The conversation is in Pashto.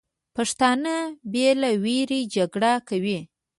پښتانه بې له ویرې جګړه کوي.